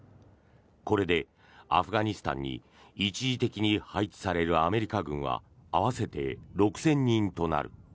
これでアフガニスタンに一時的に配置されるアメリカ軍は合わせて６０００人となる。